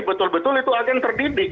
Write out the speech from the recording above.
betul betul itu agen terdidik